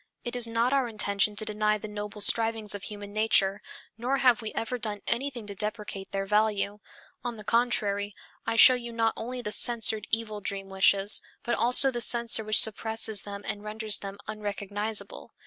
It is not our intention to deny the noble strivings of human nature, nor have we ever done anything to deprecate their value. On the contrary, I show you not only the censored evil dream wishes, but also the censor which suppresses them and renders them unrecognizable.